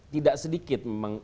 tidak sedikit memang